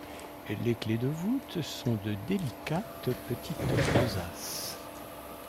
Les clés de voûte sont de délicates petites rosaces.